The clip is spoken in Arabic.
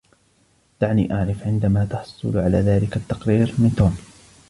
دعني أعرف عندما تحصل على ذلك التقرير من توم.